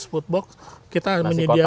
food box kita menyediakan